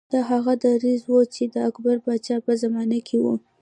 دا هغه دریځ و چې د اکبر پاچا په زمانه کې و.